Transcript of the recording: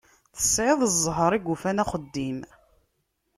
Tesεiḍ ẓẓher i yufan axeddim.